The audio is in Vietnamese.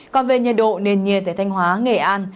còn về nhiệt độ nền nhiệt tại thanh hóa nghệ an